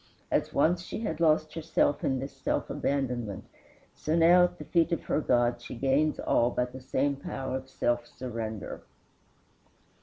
As once she had lost herself in this self abandonment, so now at the feet of her God she gains all by the same power of self surrender.